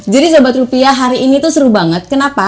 jadi sobat rupiah hari ini tuh seru banget kenapa